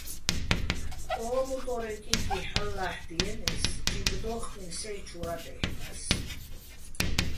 ო მუტო́რეჼ კიკი ჰ̦ალო̆ ლა́ჰ̦დიენე́ს, ჯიბ დო́ხკინო̆ სეჲჩუა́ დაჲჰ̦ნა́ს.